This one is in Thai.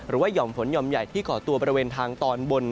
หรือว่ายสนหยอมใหญ่ที่ขอตัวบริเวณทางตอนบน